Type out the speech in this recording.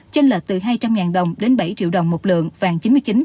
trên lệch từ hai trăm linh đồng đến bảy triệu đồng một lượng vàng chín mươi chín chín mươi chín